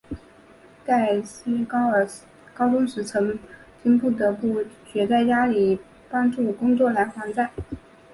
盖茨高中时曾经不得不弃学在家里帮助工作来还债。